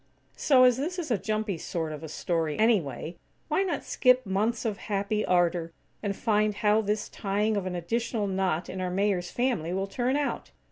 So, as this is a jumpy sort of a story, anyway, why not skip months of happy ardor, and find how this tying of an additional knot in our Mayor's family will turn out?